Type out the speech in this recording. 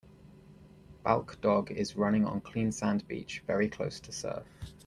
Balck dog is running on clean sand beach, very close to surf.